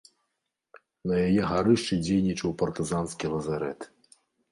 На яе гарышчы дзейнічаў партызанскі лазарэт.